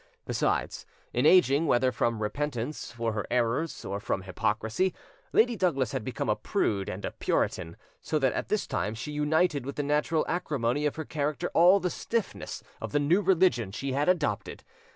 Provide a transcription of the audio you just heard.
Besides, in ageing, whether from repentance for her errors or from hypocrisy, Lady Douglas had become a prude and a puritan; so that at this time she united with the natural acrimony of her character all the stiffness of the new religion she had adopted.